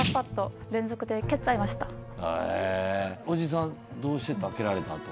おじさんどうしてた？